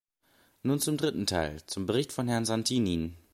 Nun zum dritten Teil, zum Bericht von Herrn Santini.